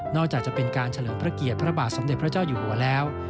จะเป็นการเฉลิมพระเกียรติพระบาทสมเด็จพระเจ้าอยู่หัวแล้ว